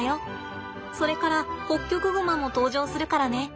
それからホッキョクグマも登場するからね。